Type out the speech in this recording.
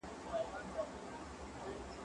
زه اجازه لرم چي چپنه پاک کړم!؟